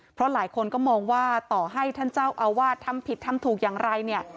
เพราะหลายคนก็มองว่าต่อให้ท่านเจ้าอาวาสทำผิดทำถูกอย่างไรเนี่ย